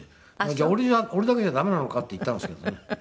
「俺だけじゃ駄目なのか？」って言ったんですけどね。